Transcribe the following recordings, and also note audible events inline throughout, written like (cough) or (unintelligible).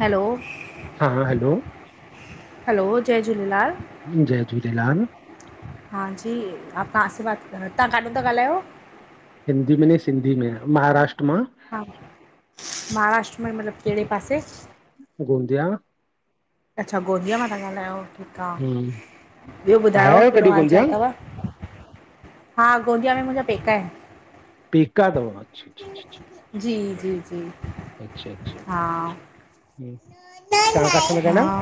Hello. हा हा hello. Hello जय झूलेलाल। जय झूलेलाल। हां जी आप कहा से बात कर तां काडू था ॻाल्हायो? हिंदी में न सिंधी में महाराष्ट्र मां। महाराष्ट्र में मतिलबु कहिड़े पासे गोंदिया। अच्छा गोंदिया मां था ॻाल्हायो ठीकु आ, हूं ॿियो आया ॿुधायो आहियो कहिड़ो कॾहिं हालु गोंदिया चाल थव। हा गोंदिया में मुंहिंजा पेका आहिन। पेका थव अच्छा अच्छा अच्छा। जी जी बढ़िया। जी, अच्छा अच्छा हा। हम्म तां काथे ता ॻाल्हायो। हा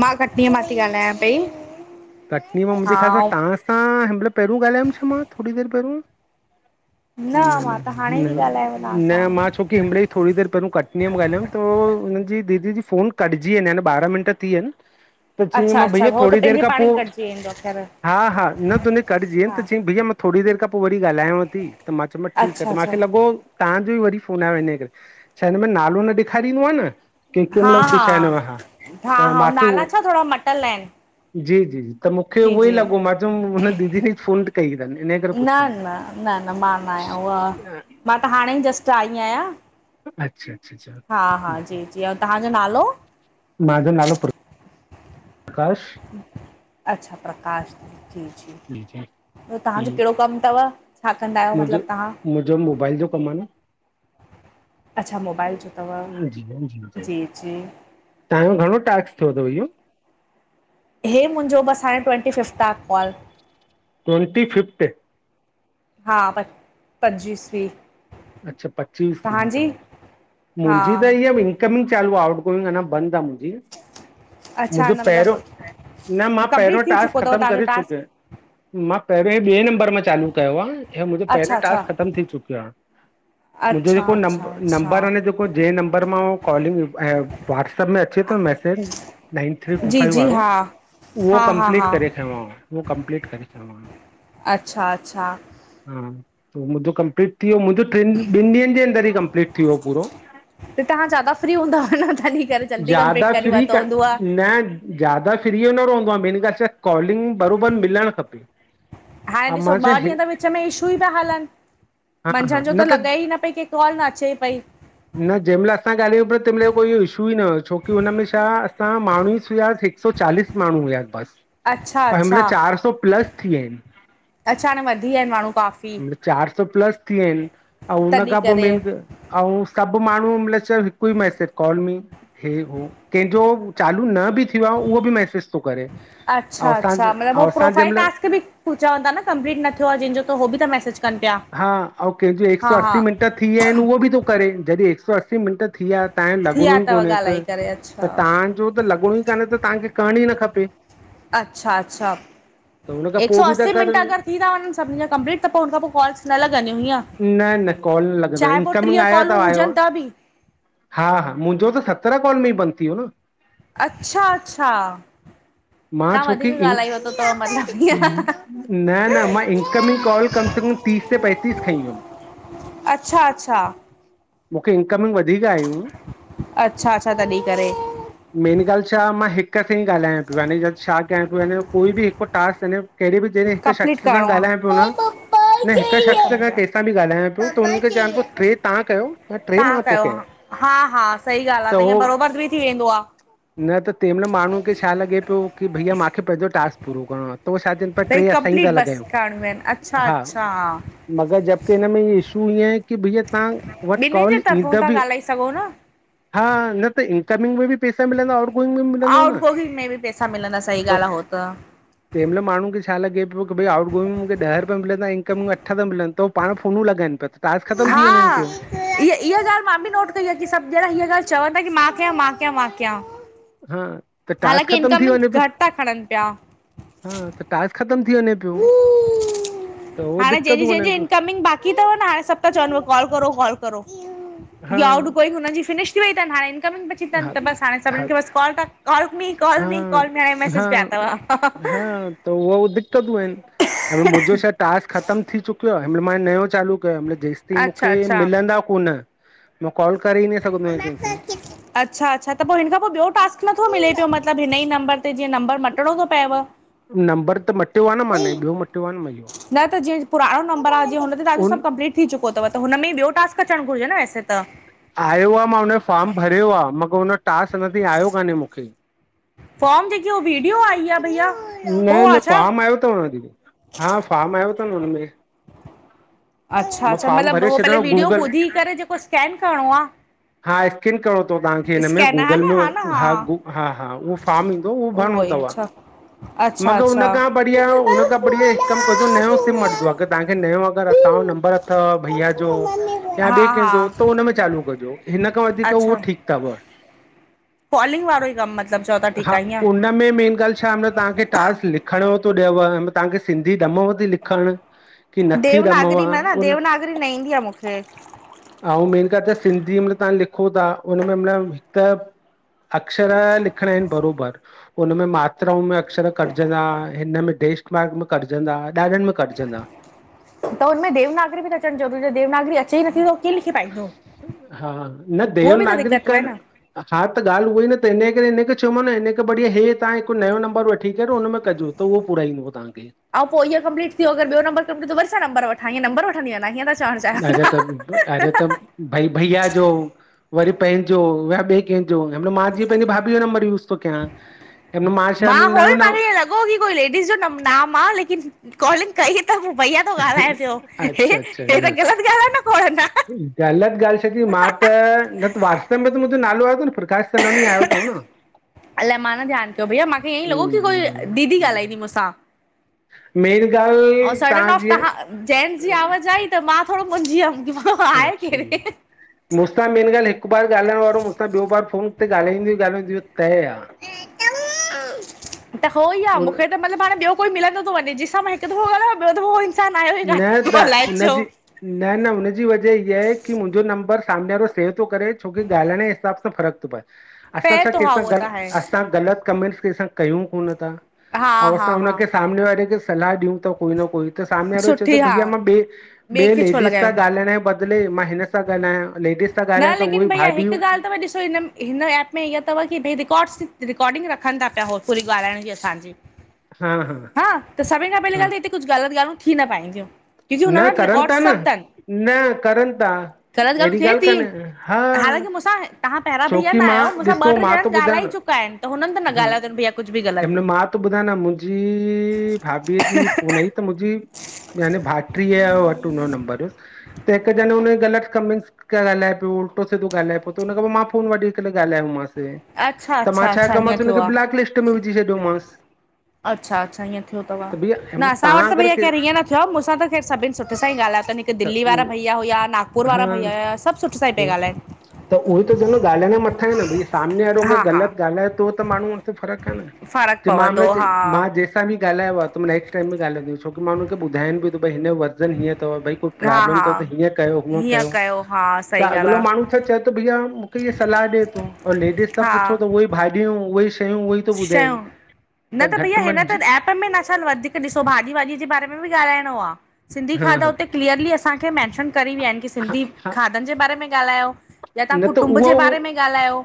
मां कटनीअ मां थी ॻाल्हायां पई। कटनी मां हा मुंहिंजे ख़्याल सां ऐं तां सां हिन महिल पहिरियों ॻाल्हाायमि छा मां थोरी देरि पहिरियों। न मां न त हाणे थी ॻाल्हायांव तव्हां न न सां मां छो छोकी हिन महिल थोरी दरि पहिरों कटनीअ मा ॻाल्हायउं त हुननि दीदी जी फ़ोन कटज़ी वयन ॿारह मिंट थी वयन त चयईं अच्छा मा अच्छा भईया हो त थोरी देरि पंहिंजे खां पाण पो ई कटिजी वेंदो ख़ैर हा हा न त कटजी वयन हा त चयईं भईया मा थोरी देरि खां पोइ वरी ॻाल्हायांव थी त मा चयो मास ठीकु आहे अच्छा त अच्छा मूंखे लॻो तव्हांजो ई वरी फोन आयो हिन करे छा हिन में नालो न ॾेखारींदो आहे न के कंहिं हा महिल बि हा छा हिन में हा हा त हा मूंखे उहो नाला छा थोरा मटल आहिनि जी जी जी त मूंखे जी उहो ई जी लॻो मां चयो हुन दीदी ने ही फ़ोन कई अथनि इन्हीं करे न पुछियो न न न मां न आहियां उहा मां त हाणे ई जस्ट आई आहियां अच्छा अच्छा अच्छा हा हा जी जी औं तव्हांजो नालो मुहिंजो नालो (unintelligible) प्रकाश अच्छा प्रकाश जी जी त तव्हांजो हम्म, कहिड़ो कमु अथव छा कंदा आहियो मतिलबु तव्हां मुंहिंजो मोबाइल जो कमु आहे अच्छा मोबाइल जो अथव न जी हत जी जी (inaudible) तव्हांजो घणो टास्क थियो अथव इहो हे मुंहिंजो बस हाणे ट्वंटी फिफ्थ आहे कॉल ट्वंटी फिफ्थ हा बस पंचीसवी अच्छा पच्चीस थी अथव हा मुंहिंजी त इहा इनकमिंग चालू आहे आउटगोइंग अन्या बंद आहे अच्छा मुंहिंजो न पहिरियों मतिलबु न मां पहिरियों कंप्लीट थी चुको टास्क अथव ख़तम तव्हांजो करे टास्क चुकियो आहियां मां पहिरियों ॿिए नंबर में चालू कयो आहे ऐं मुंहिंजो अच्छा पहिरियों अच्छा टास्क ख़तमु थी चुकियो आहे मुंहिंजो अच्छा जेकों अच्छा नंबर अच्छा आ न जेको जंहिं नंबर मां कॉलिंग ऐं व्हाट्सप में अचे थो न मैसेज नाइन थ्री टू जी फाइव जी वारो हा उहो हा हा हा कंप्लीट करे खयो मां उहो कंप्लीट करे छॾयो मां अच्छा अच्छा हा मुंहिंजो कंप्लीट थी वियो मुंहिंजो टिनि ॿिनि ॾींहंनि जे अंदरि ई कंप्लीट थी वियो पूरो त तव्हां ज्यादा फ्री हूंदा आहियो न तॾहि ज्यादा फ्री क न ज्यादा फ्री जो न रहंदो आहे मेन ॻाल्हि आहे कॉलिंग बराबरि मिलणु खपे हाणे ऐं ॾिसो मां ॿ छा ॾींहं हे- त विच में इशू ई था हलनि हा मंझंदि हा जो न त लॻे ई न पई की कॉल न अचे पई न जही माल असां ॻाल्हायूं पया तही माल कोई इशू ई न हुओ छोकी हुनमें छा असां माण्हू हुयासीं हिक सौ चालीस माण्हू हुआसीं बसि अच्छा हिन माल अच्छा चार सौ प्लस थी विया आहिन अच्छा हाणे वधी विया आहिनि माण्हू काफ़ी चार सौ प्लस थी विया आहिन ऐं हुन तॾहिं खां पोइ करे मेन त औं सभु माण्हू मतिलब (inaudible) त हिकु ई मैसेज कॉल मी (unintelligible) कंहिंजो चालू न बि थियो आहे उहो बि मैसेज थो करे ऐं अच्छा असां अच्छा मतिलबु ऐं असां प्रोफाइल जंहिंमहिल टास्क बि चवनि था न कंपलीट न थियो आहे जंहिंजो त हो बि मैसेज कनि पिया हा ऐं कंहिंजो हिकु हा सौ हा असी मिंट थी विया आहिन उहो बि थो करे जॾहिं हिकु सौ असी मिंट थी वया ऐं थी लॻणो विया ई अथव कोन्हे त ॻाल्हाए करे त अच्छा तव्हांजो त लॻणो ई कान्हे त तव्हांखे करण ई न खपे अच्छा अच्छा त हुन खां हिक सौ पोइ बि था असी मिंट करनि अगर थी था वञनि सभिनी जा कंपलीट त हुनखां पोइ कॉलस न लॻंदूं हिअ न न काल न लॻंदो इनकमिंग आयव कॉलूं त आयव हुजनि बि हा हा मुंहिंजो त सत्रह कॉल में ही बंद थी वियो न। अच्छा अच्छा मां तव्हां वधीक छोकी इंन ॻाल्हाई वरितो अथव मतिलबु ईअं न-न मां इनकमिंग कॉल तीस ते पैतीस खई हुयूं अच्छा अच्छा मूंखे इनकमिंग ठीक आहियूं, अच्छा अच्छा तॾहिं करे मेन गाल्हि छा मां हिक हिक सां ही ॻाल्हायां पियो याने छा कयां पियोे कोई बि हिकु टास्क कहिड़ेी बि जॾहिं हिक कंप्लीट शख़्स सां करिणो आहे ॻाल्हायां पियो न न हिक शख़्स सां कंहिंसां बि ॻाल्हायां पियो त हुन खे चवां पियो ट्रे तव्हां तव्हां कयो ऐं ट्रे मां थो कयो कयां। हा हा हा सही ॻाल्हि आहे त ईअं बरोबर बि थी वेंदो आ। न त तंहिं महिल माण्हूनि खे छा लॻे पियो की भईया माखे पंहिंजो टास्क पूरो करणो आ। पो छा चईनि पया भई ट्रे असां ही कंप्लीट था लॻायूं, बसि करणियूं आहिनि अच्छा हा। अच्छा हा। मगर जबकी हिन में इशू ईअं की भैया तव्हां वट ॿिन्हिनि जे कॉल तरफ़ो ईंदव था बि ॻाल्हाए सघो न हा न त इनकमिंग में बि पैसा मिलंदा, आउटगोइंग में बि मिलंदव आउट न। गोइंग में बि पैसा मिलंदा सही ॻाल्हि आहे हो त तंहिंमल माण्हु खे छा लॻे पियो कि भाई आउट गोइंग मे मूंखे ॾह रुपया मिलंदा अठ त मिलन तह पाण फोनूं लॻाइनि पिया टास्क ख़तम थी वञनि पियो। ईह ॻाल्हि मां बि नोट कई आ की सभ ॼणा हीअ ॻाल्हि चवंन प्या कि मां कयां मां कयां मां कयां। (inaudible) हालांकि ख़तम इनकमिंग घट था खणनि पिया। हां त टास्क ख़त्म थी वञे पियो। त उहो हाणे जंहिंजी दिक़तूं जंहिंजी वञनि पियो इनकमिंग बाक तव हाणे सब ता चवन न कि कॉल करो कॉल करो हा आउट गोईंग फिनिश थी वई तन हाण इकमिंग बची तनि हा त बस हाणे सभिनी हा खे काल था, call me. Call me call me हाणे हा मैसेज हा पिया तव हा त उहो दिक्कतीयूं आहिनि मुंहिंजो छा टास्क ख़तम थी चुकियो आ हिमहिल मां हे नयो चालू जेस ताईं अच्छा मुखे अच्छा मिलंदा कोन मां कॉल करे हि न सघंदो आहियां कंहिंखे अच्छा अच्छा त पो हिन खां पो बियो टास्क नथो मिले पियो मतलब हिन ही नंबर त जीअं नंबर मटिणो थो पएव? नंबर त मटि न त जीअं पुराणो नंबर आ जीअं हुन ते तव्हांजो उन सब कंपलीट थी चुको तव त हुन में ही ॿियो टास्क अचण घुरिजे न ऐसे त। आयो आ मां हुन जो फार्म भरियो आ मगर हुनजो टास्क अञा तंहिं आयो कान्हे मूंखे। फॉर्म जेकी वीडियो आई आ भईया? न न फार्म आयो तव न दीदी हा, फार्म आयो तव न हुन में। अच्छा अच्छा मतलब भरे उहो पहले छॾियो वीडियो गूगल ॿुधी करे जेको स्कैन करणो आ। हा स्केन करणो तव तव्हांखे हिन में स्कैन हा गूगल न में न हा हा हा उहो फॉम ईंदो उहो भरणो तव। (inaudible) अच्छा मगर हुनख अच्छा खां बढ़िया हुन खां बढ़िया हिक कम कजो नयो सिम वठिजो अगर तव्हांखे नयों अगर‌ अकाउंट नंबर अथव भईया जो या हा बिए हा कंहिंजो उन में चालू कजो हिन खां वधीक उहो ठीक तव। कॉलिंग वारो ई कम मतलब चओ ता ठीक आ ईंय। हिनमें मेन ॻाल्हि छा मतलब तव्हांखे टास्क लिखण यो थो ॾेव हिनमे तव्हांखे सिंधी ॾमेव थी लिखण। की नथी ॾमेव। देवनागरी में न उन देवनागरी न ईंदी आ मूंखे। अउ मेन ॻाल त सिंधी मतलब तव्हां लिखो था हुनन में मतलब हिक अक्षर लिखणा आहिन बरोबर। हुन में मात्राऊं में अक्षर कटजंदा, हिन में टेस्ट में कटजंदा ॾाढनि में कटजंदा त हुन में देवनागरी बि त अचणु ज़रूरी आहे देवनागरी अचे ई नथी त हू कीअं लिखी पाईंदो हा, न उहो बि त देवनागरी दिक़त का हुअ न। हा त ॻाल उअ ई न त हिन करे हिनखे चयो मा न हिनखे बढ़िया हे तहां हिकु नयो नंबर वठी करे हुन में कजो। त उओ पूरा ईंदव तहांखे। अंऊं पो इअ कंपलीट थियो अगर ॿियो नंबर कम्प्लीट थिये त वरी ॿियो नंबर वठां, हिएं छा नंबर वठंदी हलां! अरे त अरे त भइया जो वरी पंहिंजो या ॿिए कंहिंजो मां जीअं पंहिंजी भाभी जो नंबर यूस थो कयां। हुन मइल मां छा आ नयों नयो हुयम हो इ को लेडीस जो नाम आ लेकिन कॉलिंग कई मूं त पो भैया थो ॻाल्हाए न पियो, हे अच्छा अच्छा हे त ग़लत ॻाल आ न खोड़ न। ॻलत ॻाल छा हुई, मां त न त वाट्सअप में त मुंहिंजो नालो आयो थव न प्रकाश चंदवानी आयो थव न! अ (inaudible) अलाए मां न ध्यानु कयो भैया, मांखे ईअं ई लॻो कि कोई दीदी हम्म। ॻाल्हाईंदी मूंसां। मेन गाल अंउ सडन ऑफ तहां जेंटस जी आवाज आई त मां थोड़ो मुंझी वियम कि मां आहे अच्छा। केरे? मूंसां मेन ॻाल हिकु बार ॻाल्हण वारो मूंसां ॿियो बार फोन ते ॻाल्हाईंदव ई ॻाल्हाईंदव इयो तय आ। त हो ई आ, उन मूंखे त मतिलब हाण ॿियो कोई मिलंदो थो वञे, जंहिंसां मां हिकु दफ़ो ॻाल्हयो ॿियो दफ़ो हुओ इंसान आयो ही न काने त अलाए छो! उनजी न न, हुनजी वजह इहा आहे कि मुंहिंजो नंबर सामने वारो सेव थो करे छोकी ॻाल्हाइण जे हिसाब सां फ़र्क़ु थो पए। असां पए छा तो हा कैंसां उहो ग, त आहे असां ग़लत कमेंट्स कैंसां कयूं कोन था। हा ऐं हा असां हा हुनखे सामने वारे खे सलाह ॾियूं था कोई न कोई त स सामने वारो चएं सुठी तो हा भईया मां ॿिए बे-बे खे छो लेडिस ता लॻायूं? गालियण जे बद दले मां हिन सां ॻाल्हायां, लेडिस न लेकिन भईया हिकु ॻाल थव, ॾिसो हिन हिन एप में ईअ थव कि भई रिकॉड्स रिकॉर्डिंग रखन था पिया उ पूरी ॻाल्हाइण जी असांजी। हा, त सभिन खां पहिली हा ॻाल त हिते कुछ ग़लत ॻाल्हियूं थी न पाईंदियूं। क्योंकि हुनन न वटि करनि था रिकॉर्ड्स न सब थनि, न करनि था ग़लत ॻाल्हियूं अहिड़ी थिए ॻाल्हि थी, कान्हे हा हांलांकि मूंसां तहां पहिरां भईया छोकी न मां आहयो मूंसां ॾिसो ॿ टे मां थो ॼणा ॿुधायां ॻाल्हाए न चुका आहिन। त हुनन त न हा ॻल्हायो तन भईया कुझ बि ग़लत। हिन मां त ॿुधाए न मुंहिंजी-जी भाभीअ जी फोन आई त मुंहिंजी यान टीह वट हुओ नंबर त हिकु ॼने हुन ग़लत कमेंट्स ॻाल्हाए पियो, उलटो सिधो ॻालाए पयो त हुन खां पो मां फोन वठी करे ॻाल्हायो मांस। अच्छा त मां अच्छा छा अच्छा कयो हीअं मांस थियो हुनखे आहे ब्लैक लिस्ट में विझी छॾियो मांस। अच्छा अच्छा ईअं थियो थव, न हिनमहिल असां वट तव्हां त अगरि भईया के खैर इंअं न थियो, मूंसां त खैर सभिन सुठे सां ई ॻाल्हयो तन हिक त दिल्ली उहो वारा भईया हुया, नागपुर हा वारा भईया हुया, सब सुठे सां इ पया ॻाल्हाइन। त उहो त चव न ॻाल्हाइण जे मथां आहे न भई सामने वारो हा हा ग़लत ॻाल्हाए थो त माण्हू हुन फ़र्क फ़र्क़ु दिमाग पवंदो (unintelligible) जे हा मां जैस बि ॻालायो आ त नेक्स़ट टाइम बि ॻालंदुस छो कि मां हुन खे ॿुधायन बि थो भई हिन जो वज़न हीअं थव, भई को हा प्रॉब्लम हा थव त हीअं कयो हूअं हीअं कयो हा त सही अॻलो ॻाल्हि माण्हू आहे अच्छा चयो त भईया मूंखे इहा सलाह ॾे थो ऐं लेडीस खां हा पुछो त उहे भाॼियूं उअइ श (unintelligible) न त भैया घटि में हिन त एप वधीक ॾिसो भाॼी वाॼी जे बारे में बि ॻाल्हाइणो आ, सिंधी हा खाधे हुते क्लीअर्ली असांखे मैंशन करी विया आहिन कि हा सिंधी हा खाधन जे बारे में ॻाल्हायो। या तां न त कुटुंब उहो जे बारे में ॻाल्हायो।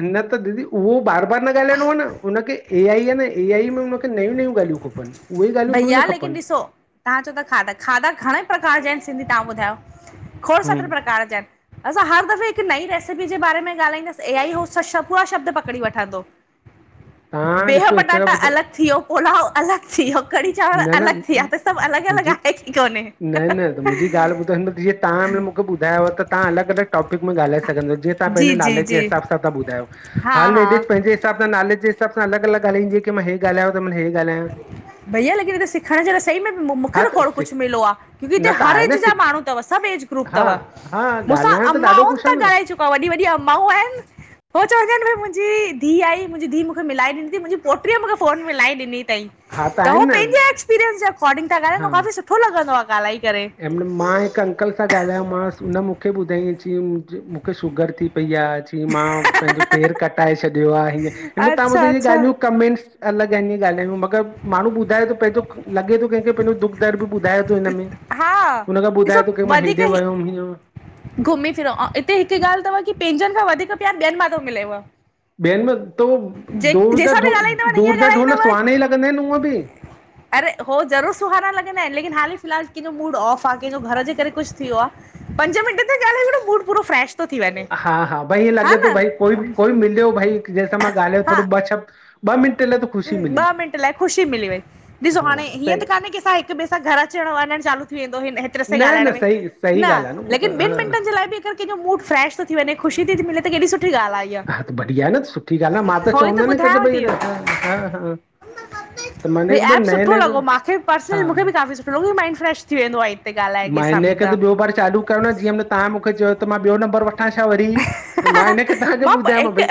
न त दीदी उहो बार बार न ॻाल्हाइणो आ न हुनखे ए आइ आहे न ए आइ में हुनखे नयूं नयूं नयूं खपनि उहे ई ॻाल्हियूं थोङी न खपनि। तां चओ था खाधा, खाधा घणेई प्रकार जा आहिन सिंधी तां ॿुधायो! खोड़ सारे हम्म, प्रकार जा आहिन असां हर दफ़े हिकु नई रेसिपी जे बारे में ॻाल्हाईंदासीं, ए आई उहा शब्द पकड़ी वठंदो। तव्हां बीह ॾिसो हिकु पटाटा ॿुधाए अलॻि थी वियो, पुलाव अलॻि थी वियो कढ़ी चांवर न न अलॻि थी विया त सभु अलॻि अलॻि मुंहिंजी, आहे की कोन्हे न न त मुंहिंजी ॻाल ॿुधाईंदो जिंअ तहां मूंखे ॿुधायव त तहां अलॻ अलॻ टॉपिक में ॻाल्हाए सघंदव जीअं तहां जी पंहिंजे जी नाले जे जी हिसाब सां ॿुधायो। हा हा। मुंजे हिसाब सां नाले जे हिसाब सां अलॻ अलॻ ॻाल्हईंदी आ कि मां हे ॻालायो आ त मां हे ॻालायां। भईया लेकिन हिते त सिखायण सई में मूंखे हा त थोङो सिक कुछ मिलयो आ क्योकी हिते न त हर आहे एज न जा सिक माण्हू थव सब एज ग्रुप हा थव। हा मूं सां ॻाल्हाइण ॾाढो अम्माउन कुझु आहे त न ॻाल्हाए चुको आ, वॾी वॾी अम्माऊं आहिन। हो चवे थि न भई मुंहिंजी धी आई, मुंहिंजी धी मूंखे मिलाए ॾिनी थंई, मुंहिंजी पोट पोटी मूंखे फोन मिलाए ॾिनि तंई, हा त हू आहिनि न पहिंजे एक्सपीरियन्स जे एकार्डिंग था ॻाल्हाइन था, त उआ काफी सुठ सुठो लॻंदो आ ॻाल्हाए करे। ऐं मां हिकु अंकल सां ॻाल्हायो मांस, हुन मूंखे ॿुधाईं अची मूंखे शुगर थी पई पई आ, अची मां पंहिंजो पेर कटाए छॾियोआ हीअं, हिन अच्छा तव्हां इहे अच्छा ॻाल्हियूं कमेंट्स अलॻ आहिन इंअ ॻाल्हायूं मगर माण्हू ॿुधाए थो पंहिंजो लॻे थो कैंखे पंहिंजो दुख दर्द बु ॿुधाए थो हिनमें, हा हुन खां ॾिसो ॿुधाए थो कि मां वधीक हेॾे ई वियम हीअं घुमी फिरो ऐं इते हिकु ॻाल् थव की पंहिंजन खां वधीक प्यारु ॿियन मां थो मिलेव। ॿियन में, त उह जे दूर जा जंहिंसां बि ढोल ॻाल्हाईंदव न ईअं -दूर जा ढोल ॻाल्हाईंदव सुहाना ई लॻंदा आहिन उअं बि अरे हो ज़रूर सुहाना लॻंदा आहिन, लेकिन हाली फ़िलहाल कंहिंजो मूड ऑफ आ, कंहिंजो घर जे करे कुछ थियो आ पंज मिंट ते ॻाल्हाए छॾो, मूड पूरो फ्रैश हा, हा। भईं लॻे थो, भई कोई, न कोई मिलयो भई जंहिंसा मां ॻाल्हायो हा थोड़ो, ॿ श ॿ मिंट लाए त ख़ुशी मिली ॿ मिंट लाइ ख़ुशी मिली वई। ॾिसो हा हाणे हीअं सही त कान्हे की असां हिकु ॿिए स सां घर अचण वञणु चालू थी वेंदो हिन हि रह सां न ॻाल्हाइण न में। सही सही न ॻाल्हि आहे उहो त लेकिन ॿिन हा मिंटनि जे लाइ बि अगरि कंहिंजो मूड फ्रेश थो थी वञे त ख़ुशी थी थी मिले केॾी सुठी ॻाल्हि आहे हा त बढ़िया आ न, सुठी ॻाल आ, मां इहा त उहो ई चअंदो ह न कंजो ॿुधायांव भई ह न हा हा हा। त भई माने त एप नए सुठो नए लॻो। मांखे हा पर्सनल मूंखे बि हा काफ़ी सुठो लॻो। माइंड फ्रेश थी वेंदो आहे हिन ते ॻाल्हाए मां हिन कंहिंसां बि करे त ॿियो बार चालू कयो न जीअं तहां मूंखे चयो त मां ॿियो नंबर व मां छा वरी, त मां हिनकरे तहां जो मां ॿुधायम हिकु भई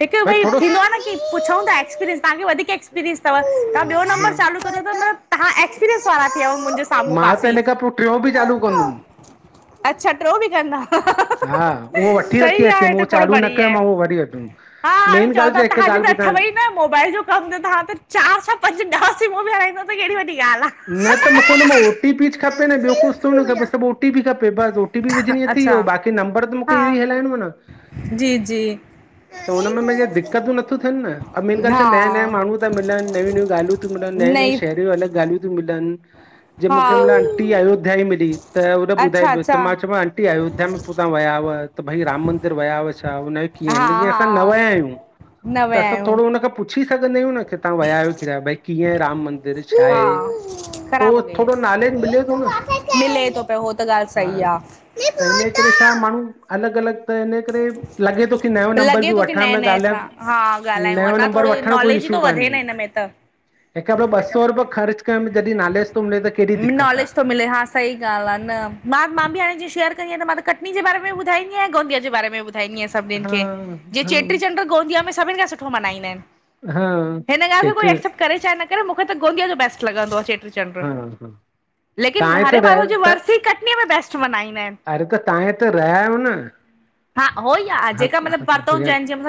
हिकु भई थींदो आ न पुछऊं त एक्सपीरियंस, तहांखे वधीक एक्सपीरियंस तव, तहां ॿियो हा नंबर चालू तहां एक्सपीरियंस वारा थी विया मुंहिंजे स मां त हिन खां पो ट्रियो बि चालू कंदुम। अच्छा, ट्रिंयो बि कंदा! हा, उहो वठी रखी सही आहे हे सिम, उहो त खोड़ चालू न बढ़िया कयो मां, उहो वरी वठुम। मेन ॻाल छा तहां जो त ॻाल्हि अथव ॿुधायां ई न मोबाइल जो कम, त तहां त चार छा पंज, ॾह सिमूं बि हलाइंदा न त मुंखे हुन में ओ टी पी च खपे न, ॿियो कुछ थोङे न आहे खपे, सिर्फ ओ टी पी खपे बस, ओ पी विझणी थई, अच्छा बाक़ी नंबर त मूंखे हा इहो ई हलाइणो आहे न जी जी त हुन में मुं दिक दिकतूं नथयूं थियनि न। अ मेन ॻाल्हि छा हा नयां-नयां माण्हू त मिलनि, नयूं -नयूं ॻाल्हियूं थियूं मिलनि, नई-नई नई रियूं अलग ॻाल्हियूं थियूं मिलनि जीअं मूंखे मिला आंटी हा अयोध्या ई मिली। त हुन ॿुधाए अच्छा पियो, त अच्छा मां चयो आंटी अयोध्या में पोइ तां विया व त भई राम मंदरु विया हुआ छा, हुनजो कीअं? हा मतिलब जीअं असां न हा विया आहियूं, न त विया असां आहियूं थोरो हुन खां पु पुछी सघंदा आहियूं न की तव्हां वया आहियो किरया, भई कीअं राम मं हेॾे छा आहे, हा त ख़राब उहो हो गई है थोड़ो नाॅ नाॅलेज मिले थो। मिले थो पियो हो त ॻाल्हि हा। सही आ त हिन करे छा माण्हूं (unintelligible) अलग-अलग त हिन करे, लॻे थो की नयों नंबर लॻे बि थो की वठां म नए नए ॻाल्हायां सां हा ॻाल्हायूं नयो अञा नंबर थोरो वठण कोई नॉलेज ई इशू थो वधे कान्हे। न हिन में त हिक ब ॿ सौ रुपयो ख़र्च करण में जॾहिं नाॅलेज तो मिले त कहिड़ी दिक़त नॉलेज त मिले, हा सही ॻाल्हि आहे न। मां, मां बि हाणे जींअं शेयर क ईंअं त मां त कटनी जे बारे में बि ॿुधाईंदी आहियां ऐं गोंदिया जे बारे में ॿुधाईंदी आहिंया आहे सभिनिनि हा खें। जींअं हा चेट्रीचंड्र गोंदिया में सभिनि खां सुठो मनाईंदा आहिनि। हा हिन ॻाल्हि खे कोई जेतिरी एक्सेप्ट करे चाहे न करे, मूंखे त गोंदिया जो बेस्ट लॻंदो आहे चेट्री हा हा तां हिते रहिया माधव जी त, वरसी कटनीअ में बेस्ट मल्हाईंदा आहिनि अरे त तव्हां हिते रहिया आहियो न। हा हो ई आह। हा जेका हा मतिलबु भैया परतो (unintelligible)